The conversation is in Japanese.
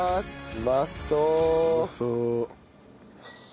うまそう。